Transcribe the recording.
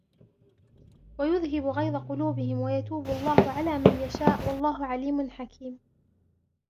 ويذهب غيظ قلوبهم ويتوب الله على من يشاء والله عليم حكيم